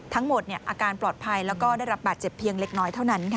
อาการปลอดภัยแล้วก็ได้รับบาดเจ็บเพียงเล็กน้อยเท่านั้น